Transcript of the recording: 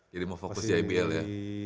jadi mau fokus di ibl ya